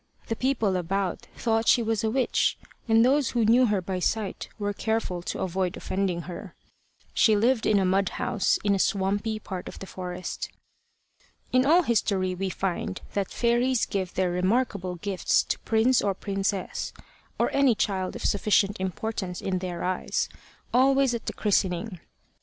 The people about thought she was a witch, and those who knew her by sight were careful to avoid offending her. She lived in a mud house, in a swampy part of the forest. In all history we find that fairies give their remarkable gifts to prince or princess, or any child of sufficient importance in their eyes, always at the christening.